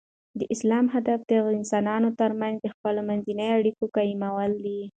د اسلام هدف د انسانانو تر منځ د خپل منځي اړیکو قایمول دي.